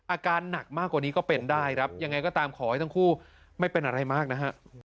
อาการหนักมากกว่านี้ก็เป็นได้ครับยังไงก็ตามขอให้ทั้งคู่ไม่เป็นอะไรมากนะฮะ